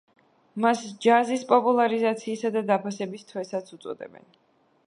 მას ჯაზის პოპულარიზაციისა და დაფასების თვესაც უწოდებენ.